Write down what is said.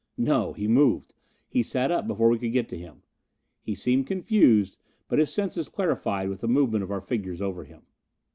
No, he moved. He sat up before we could get to him. He seemed confused, but his senses clarified with the movement of our figures over him.